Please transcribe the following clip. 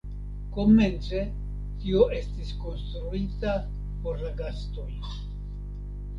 Komence tio estis konstruita por la gastoj.